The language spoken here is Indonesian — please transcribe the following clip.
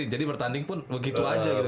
jadi bertanding pun begitu aja gitu